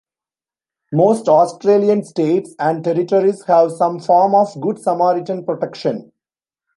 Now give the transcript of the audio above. Most Australian states and territories have some form of good Samaritan protection.